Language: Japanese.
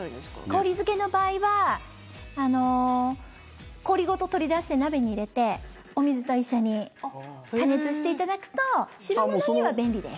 氷漬けの場合は氷ごと取り出して鍋に入れてお水と一緒に加熱していただくと汁物には便利です。